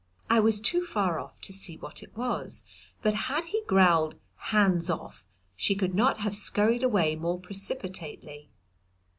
I was too far off to see what it was, but had he growled "Hands off!" she could not have scurried away more precipitately.